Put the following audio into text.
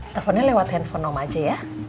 teleponnya lewat handphone nom aja ya